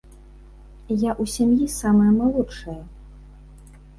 Я ў сям'і самая малодшая.